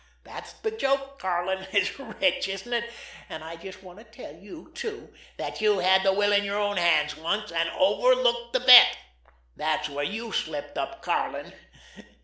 That's the joke, Karlin! It's rich, isn't it? And I just want to tell you, too, that you had the will in your own hands once—and overlooked the bet! That's where you slipped up, Karlin.